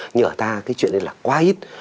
nhưng ở ta cái chuyện này là quá ít